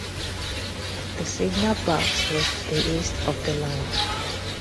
The signal box was to the east of the line.